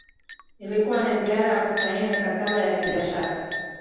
Ilikuwa ni ziara ya kusaini mikataba ya kibiashara